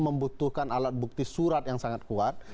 membutuhkan alat bukti surat yang sangat kuat